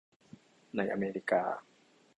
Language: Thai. ในอเมริกา